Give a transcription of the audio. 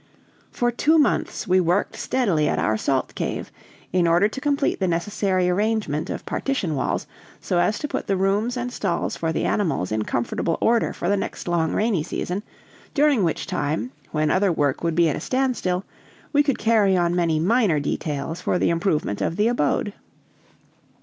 For two months we worked steadily at our salt cave, in order to complete the necessary arrangement of partition walls, so as to put the rooms and stalls for the animals in comfortable order for the next long rainy season, during which time, when other work would be at a standstill, we could carry on many minor details for the improvement of the abode.